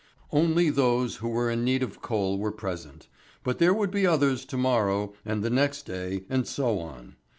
] Only those who were in need of coal were present. But there would be others to morrow and the next day and so on.